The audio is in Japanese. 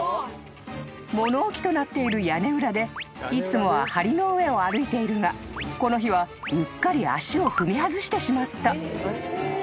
［物置となっている屋根裏でいつもは梁の上を歩いているがこの日はうっかり足を踏み外してしまった］